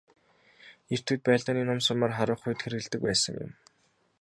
Эрт үед байлдааны нум сумаар харвах үед хэрэглэдэг байсан юм.